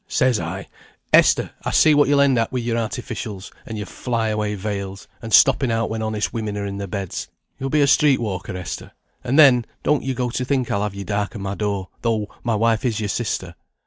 Says I, 'Esther, I see what you'll end at with your artificials, and your fly away veils, and stopping out when honest women are in their beds; you'll be a street walker, Esther, and then, don't you go to think I'll have you darken my door, though my wife is your sister.'